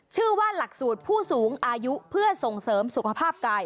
ชื่อว่าหลักสูตรผู้สูงอายุเพื่อส่งเสริมสุขภาพกาย